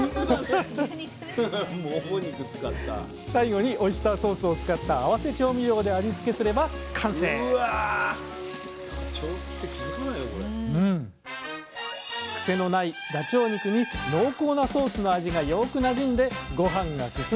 最後にオイスターソースを使った合わせ調味料で味付けすれば完成癖のないダチョウ肉に濃厚なソースの味がよくなじんでご飯がすすみます。